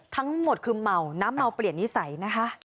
ทั้งหมดคือเมาน้ำเมาเปลี่ยนนิสัยนะคะ